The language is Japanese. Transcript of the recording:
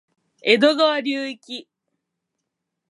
江戸川流域